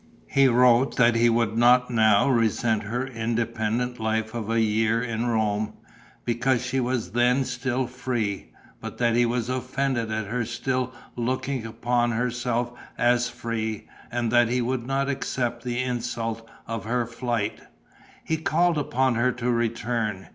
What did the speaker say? He wrote that he would not now resent her independent life of a year in Rome, because she was then still free, but that he was offended at her still looking upon herself as free and that he would not accept the insult of her flight. He called upon her to return.